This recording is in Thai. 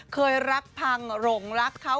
เคยรักพังหลงรักเขา